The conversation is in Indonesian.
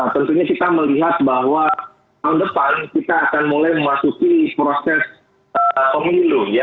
tentunya kita melihat bahwa tahun depan kita akan mulai memasuki proses pemilu ya